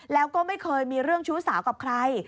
แล้วก็ไม่เคยมีเรื่องชู้สาวกับใคร